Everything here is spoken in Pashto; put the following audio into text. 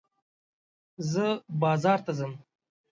زه بازار ته ځم.